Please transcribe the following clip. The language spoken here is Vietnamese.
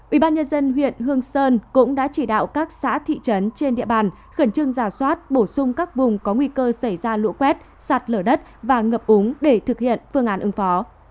ubnd huyện hương sơn cũng đã chỉ đạo các xã thị trấn trên địa bàn khẩn trương giả soát bổ sung các vùng có nguy cơ xảy ra lũ quét sạt lở đất và ngập úng để thực hiện phương án ứng phó